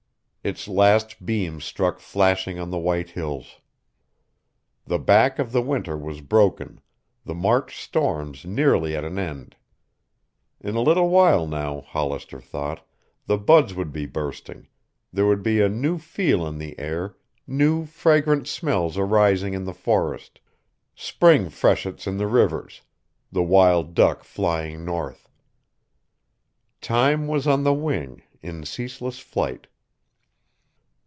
Its last beam struck flashing on the white hills. The back of the winter was broken, the March storms nearly at an end. In a little while now, Hollister thought, the buds would be bursting, there would be a new feel in the air, new fragrant smells arising in the forest, spring freshets in the rivers, the wild duck flying north. Time was on the wing, in ceaseless flight.